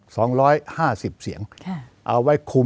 จะพิจารณาคม